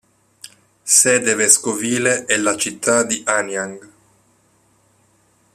Sede vescovile è la città di Anyang.